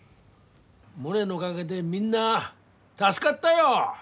モネのおがげでみんな助かったよ。